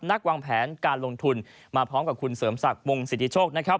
วางแผนการลงทุนมาพร้อมกับคุณเสริมศักดิ์วงสิทธิโชคนะครับ